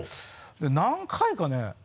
で何回かね